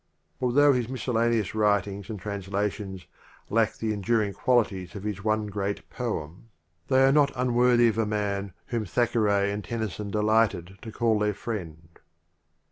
Although his miscellaneous writings and translations lack the enduring qualities of his one great poem, they are not unworthy of a man whom Thackeray and Tennyson delighted to call their friend.